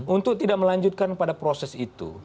untuk tidak melanjutkan pada proses itu